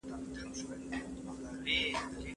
ایا ته له کوډینګ سره مینه لري؟